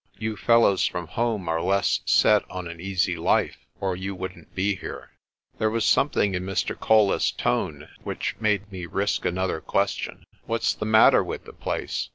You fellows from home are less set on an easy life, or you wouldn't be here." There was something in Mr. Colles's tone which made me risk another question. "What's the matter with the place?